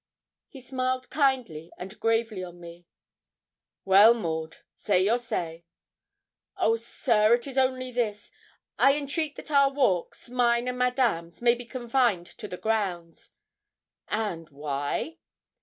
He smiled kindly and gravely on me. 'Well, Maud, say your say.' 'Oh, sir, it is only this: I entreat that our walks, mine and Madame's may be confined to the grounds.' 'And why?'